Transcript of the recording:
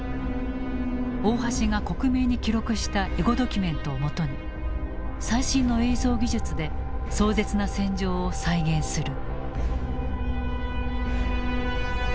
大橋が克明に記録したエゴドキュメントをもとに最新の映像技術で壮絶な戦場を再現する。